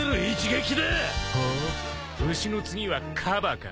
ほう牛の次はカバか？